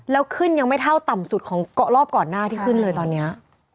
แล้วขึ้นยังไม่เท่าต่ำสุดของรอบก่อนหน้าที่ขึ้นเลยตอนนี้